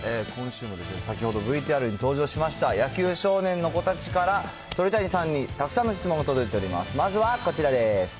今週も、先ほどＶＴＲに登場しました、野球少年の子たちから鳥谷さんにたくさんの質問が届いております。